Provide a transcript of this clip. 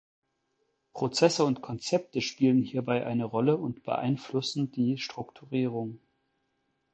Prozesse und Konzepte spielen hierbei eine Rolle und beeinflussen die Strukturierung.